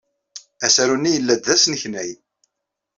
Asaru-nni yella-d d asneknay.